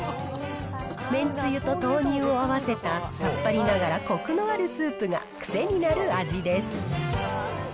麺つゆと豆乳を合わせた、さっぱりながらこくのあるスープが癖になる味です。